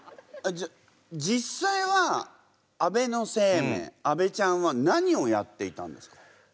じゃあ実際は安倍晴明安倍ちゃんは何をやっていたんですか？